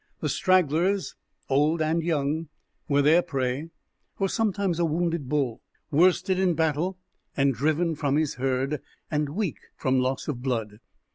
The stragglers, old and young, were their prey, or sometimes a wounded bull, worsted in battle and driven from his herd, and weak from loss of blood.